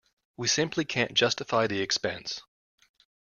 We simply can't justify the expense.